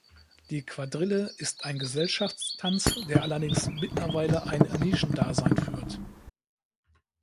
Die Quadrille ist ein Gesellschaftstanz, der allerdings mittlerweile ein Nischendasein führt.